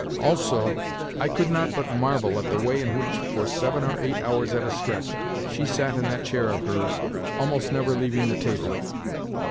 Also, I could not but marvel at the way in which, for seven or eight hours at a stretch, she sat in that chair of hers, almost never leaving the table.